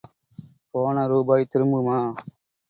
போன ரூபாய் திரும்புமா?